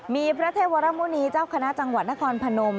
มีพระเทพวรมุณีเจ้าคณะจังหวัดนครพนม